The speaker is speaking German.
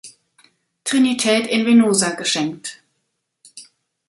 Trinität in Venosa geschenkt.